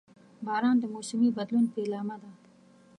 • باران د موسمي بدلون پیلامه ده.